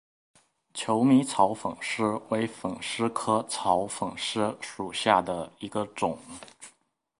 求米草粉虱为粉虱科草粉虱属下的一个种。